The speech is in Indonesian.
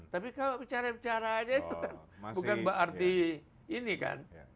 tapi kalau bicara bicara aja itu bukan berarti ini kan